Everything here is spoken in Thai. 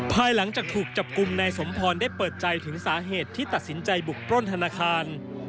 ภายหลังจากถูกจับกลุ่มนายสมพรได้เปิดใจถึงสาเหตุที่ตัดสินใจบุกปล้นธนาคาร